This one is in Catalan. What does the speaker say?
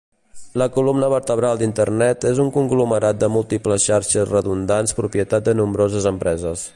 La columna vertebral d'Internet és un conglomerat de múltiples xarxes redundants propietat de nombroses empreses.